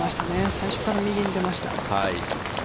最初から右に出ました。